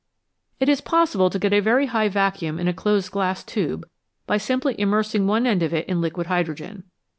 It is possible to get a very high vacuum in a closed glass tube by simply immersing one end of it in liquid hydrogen.